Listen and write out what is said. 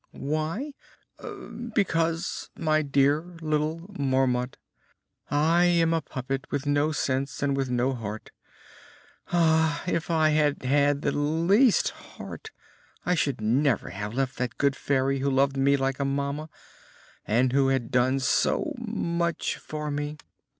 "Why? Because, my dear little Marmot, I am a puppet with no sense, and with no heart. Ah! if I had had the least heart I should never have left that good Fairy who loved me like a mamma, and who had done so much for me!